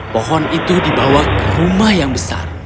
pohon itu dibawa ke rumah yang besar